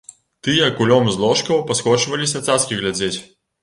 Тыя кулём з ложкаў паскочваліся цацкі глядзець.